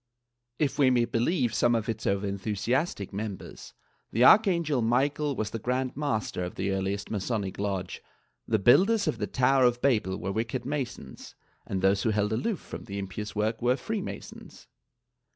If we may believe some of its over enthu siastic members, the Archangel Michael was the Grand Master of the earliest Masonic lodge; the builders of the Tower of Babel were wicked Masons and those who held aloof from the impious work were Free Masons.